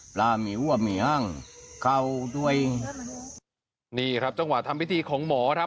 หลามิวะหมีห้างเข้าด้วยนี่ครับจังหวะทำพิธีของหมอครับ